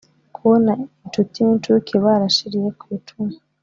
kubon inshuti n’incuke barashiriye kw’icumu